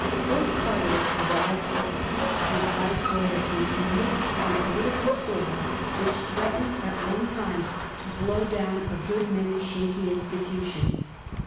Lord Carteret arrived at the seat of his Vice royalty in the midst of a political storm which threatened at one time to blow down a good many shaky institutions.